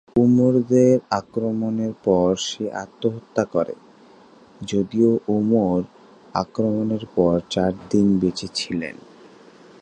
উমরকে আক্রমণের পর সে আত্মহত্যা করে, যদিও উমর আক্রমণের পর চার দিন বেঁচে ছিলেন।